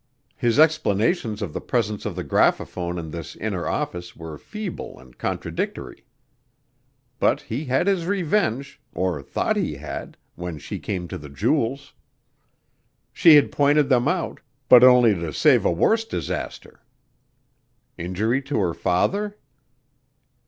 His explanations of the presence of the graphophone in this inner office were feeble and contradictory. But he had his revenge, or thought he had, when she came to the jewels. She had pointed them out, but only to save a worse disaster. Injury to her father?